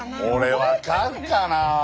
俺分かるかな？